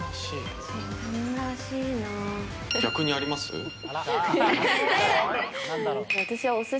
逆にあります？